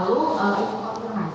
misalnya maksud apa yang sedang ditempuh